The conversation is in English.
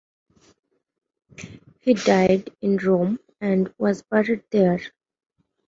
He died in Rome and was buried there.